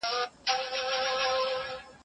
په پنځه ویشت کلنۍ کې هغه تجارت پیل کړ.